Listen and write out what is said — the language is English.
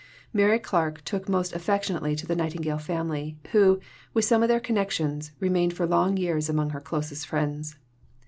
Mary Clarke took most affectionately to the Nightingale family, who, with some of their connections, remained for long years among her closest friends.